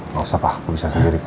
gak usah pak aku bisa sendiri kok